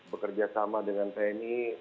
bekerja sama dengan tni